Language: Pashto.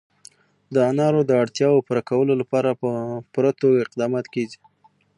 د انارو د اړتیاوو پوره کولو لپاره په پوره توګه اقدامات کېږي.